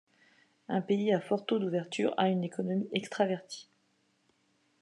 Un pays à fort taux d'ouverture a une économie extravertie.